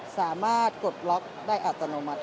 สามารถกดล็อกได้อัตโนมัติ